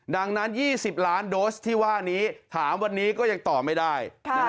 ดังนั้น๒๐ล้านโดสที่ว่านี้ถามวันนี้ก็ยังตอบไม่ได้